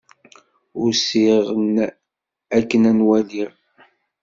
Usiɣ-n ad ken-waliɣ.